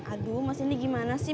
aduh mas ini gimana sih